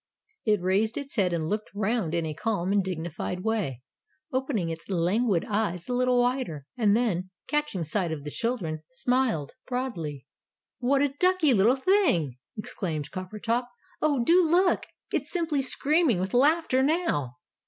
It raised its head, and looked round in a calm and dignified way, opening its languid eyes a little wider, and then catching sight of the children smiled broadly. "What a duckie little thing!" exclaimed Coppertop. "Oh, do look! It's simply screaming with laughter now!"